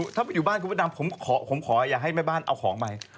ถ้าอยู่บ้านคุณพระดำผมขออย่าให้แม่บ้านเอาของใหม่